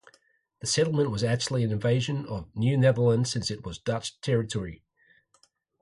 The settlement was actually an invasion of New Netherland since it was Dutch territory.